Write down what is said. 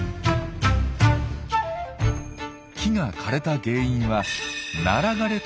木が枯れた原因は「ナラ枯れ」と呼ばれる現象。